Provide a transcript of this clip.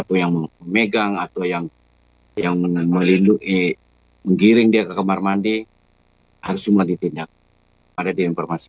supaya tidak terjadi lagi dan tidak ditutupi